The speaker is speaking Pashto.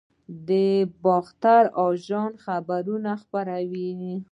باختر اژانس خبرونه خپروي